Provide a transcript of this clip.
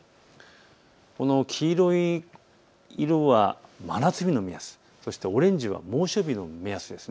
この黄色い色は真夏日の目安、そしてオレンジは猛暑日の目安です。